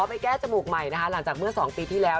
ไปแก้จมูกใหม่นะคะหลังจากเมื่อ๒ปีที่แล้ว